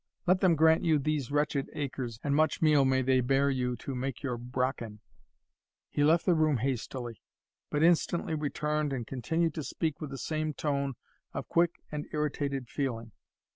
Let them grant you these wretched acres, and much meal may they bear you to make your brachan." He left the room hastily, but instantly returned, and continued to speak with the same tone of quick and irritated feeling.